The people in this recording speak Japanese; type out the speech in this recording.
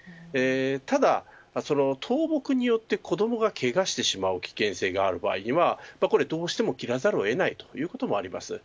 ただ倒木によって子どもがけがをしたりする危険性がある場合はどうしても切らざるをえないこともあります。